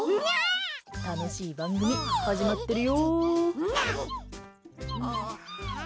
楽しい番組始まってるよ。